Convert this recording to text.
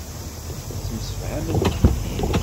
Ttemsefhament yid-i.